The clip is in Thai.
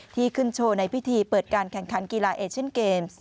ที่ขึ้นโชว์ในพิธีเปิดการแข่งขันกีฬาเอเชียนเกมส์